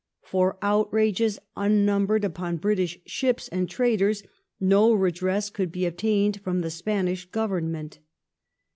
For outrages unnumbered upon British ships and traders no redress could be obtained from the Spanish Govern ment.